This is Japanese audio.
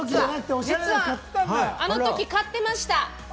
実は、あのとき買ってました。